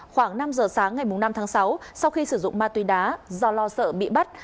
khoảng năm giờ sáng ngày năm tháng sáu sau khi sử dụng ma túy đá do lo sợ bị bắt